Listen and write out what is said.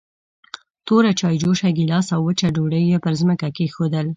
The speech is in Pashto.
توره چايجوشه، ګيلاس او وچه ډوډۍ يې پر ځمکه کېښودل.